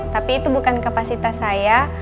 tapi itu bukan kapasitas saya